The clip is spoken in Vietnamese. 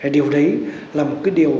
điều đấy là một cái điều